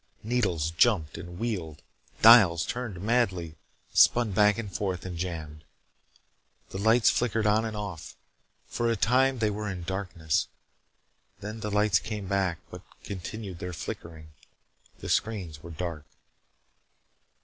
Needles jumped and wheeled. Dials turned madly, spun back and forth, and jammed. The lights flickered on and off. For a time they were in darkness. Then the lights came back, but continued their flickering. The screens were dark.